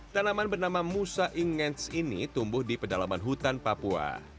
tanaman bernama musa ingenc ini tumbuh di pedalaman hutan papua